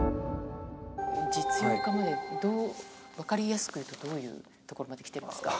実用化まで分かりやすく言うとどういうところまで来ているんですか？